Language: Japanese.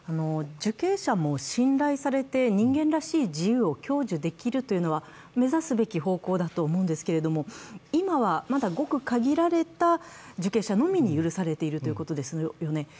受刑者も信頼されて、人間らしい自由を享受できるというのは目指すべき方向だと思うんですけれども今はまだごく限られた受刑者ということですよね。